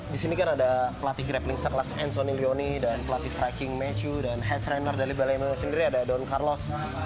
di sini kan ada pelatih grappling sekelas anthony leone dan pelatih striking matthew dan head trainer dari bali mma sendiri ada don carlos